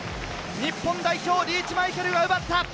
日本代表リーチ・マイケルが奪った。